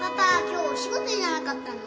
今日お仕事じゃなかったの？